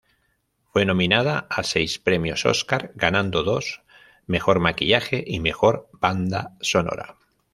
Fue nominada a seis Premios Óscar ganando dos: Mejor maquillaje y Mejor banda sonora.